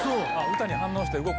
歌に反応して動く。